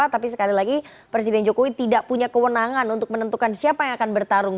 tapi sekali lagi presiden jokowi tidak punya kewenangan untuk menentukan siapa yang akan bertarung